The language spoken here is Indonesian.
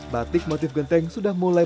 batik motif genteng sudah mulai